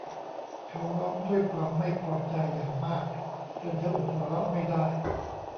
เขาร้องด้วยความไม่พอใจอย่างมากจนเธออดหัวเราะไม่ได้